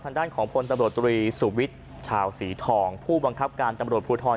ทางด้านของพลตำรวจตรีสุวิทย์ชาวสีทองผู้บังคับการตำรวจภูทร